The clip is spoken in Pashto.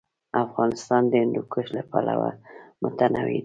افغانستان د هندوکش له پلوه متنوع دی.